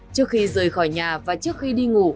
trước khi rời khỏi nhà và trước khi đi ngủ